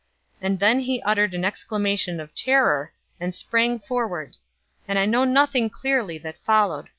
And then he uttered an exclamation of terror, and sprang forward and I know nothing clearly that followed.